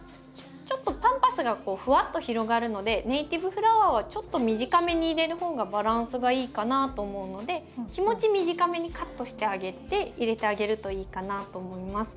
ちょっとパンパスがこうふわっと広がるのでネイティブフラワーはちょっと短めに入れる方がバランスがいいかなと思うので気持ち短めにカットしてあげて入れてあげるといいかなと思います。